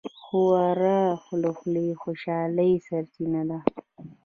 ښوروا د خولې د خوشحالۍ سرچینه ده.